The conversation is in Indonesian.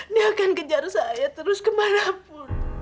dia akan kejar saya terus kemana pun